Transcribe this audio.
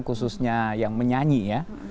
khususnya yang menyanyi ya